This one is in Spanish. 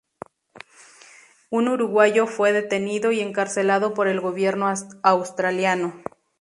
Un uruguayo fue detenido y encarcelado por el gobierno australiano.